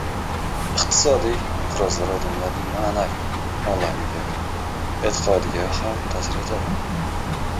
— Iqtisodiy inqirozlar odamlarning ma’naviy olamiga, e’tiqodiga ham ta’sir etadi.